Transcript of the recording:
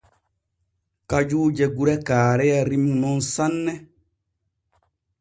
Kajuuje gure Kaareya rimu nun sanne.